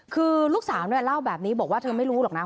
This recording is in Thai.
คือลูกสาวเนี่ยเล่าแบบนี้บอกว่าเธอไม่รู้หรอกนะ